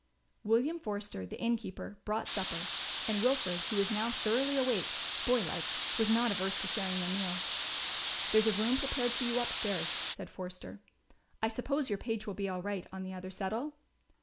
William Forster, the innkeeper, brought supper, and Wilfred, who was now thoroughly awake, boylike, was not averse to sharing their meal. "There's a room prepared for you upstairs," said Forster. "I suppose your page will be all right on the other settle?"